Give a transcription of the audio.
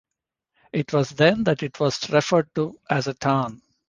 It was then that it was referred to as a town.